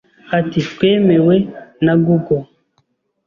Ati Twemewe na Google,